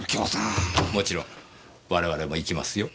もちろん我々も行きますよ。